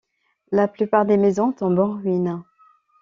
La plupart des maisons tombent en ruines.